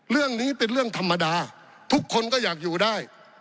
เรื่องนี้เป็นเรื่องธรรมดาทุกคนก็อยากอยู่ได้